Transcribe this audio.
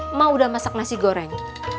emak udah masak nasi goreng